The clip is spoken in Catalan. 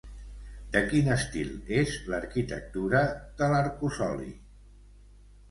De quin estil és l'arquitectura de l'arcosoli?